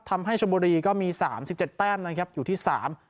ชมบุรีก็มีสามสิบเจ็ดแต้มนะครับอยู่ที่สาม